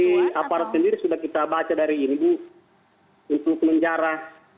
di aparat sendiri sudah kita baca dari ini bu untuk penjara